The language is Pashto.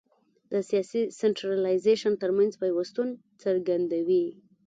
د سیاسي سنټرالیزېشن ترمنځ پیوستون څرګندوي.